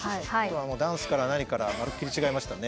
ダンスから何からまるっきり違いましたね。